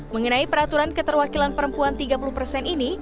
mengenai peraturan keterwakilan perempuan tiga puluh persen ini